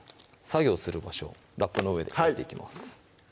作業する場所ラップの上でやっていきます